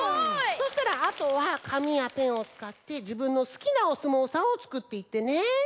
そうしたらあとはかみやペンをつかってじぶんのすきなおすもうさんをつくっていってね！